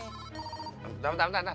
bentar bentar bentar